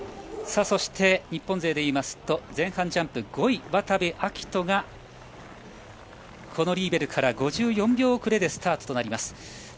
そして、日本勢ですと前半ジャンプ５位、渡部暁斗がこのリーベルから５４秒遅れでスタートとなります。